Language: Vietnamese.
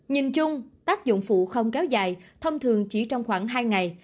nhìn chung tác dụng phụ không kéo dài thông thường chỉ trong khoảng hai ngày